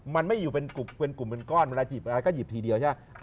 มันไม่อยู่เป็นกลุ่มเป็นก้อนเวลาหยิบอะไรก็หยิบทีเดียวใช่ปะ